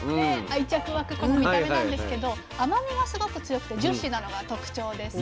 愛着湧くこの見た目なんですけど甘みがすごく強くてジューシーなのが特長です。